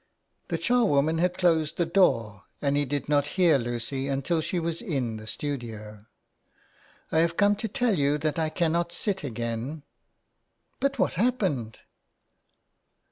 The charwoman had closed the door, and he did not hear Lucy until she was in the studio. '* I have come to tell you that I cannot sit again. But what has happened